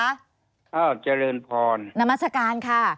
ข้าวเจริญพรนามัศกาลค่ะ